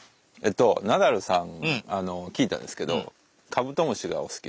ナダルさん聞いたんですけどカブトムシがお好き。